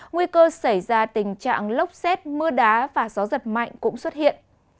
nguy cơ xảy ra tình trạng lốc xét mưa đá và gió giật mạnh cũng xuất hiện